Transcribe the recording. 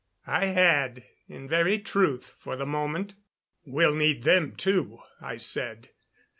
I had, in very truth, for the moment. "We'll need them, too," I said.